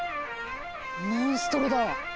モンストロだ！